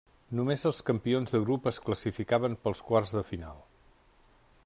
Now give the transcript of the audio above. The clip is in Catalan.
Només els campions de grup es classificaven pels quarts de final.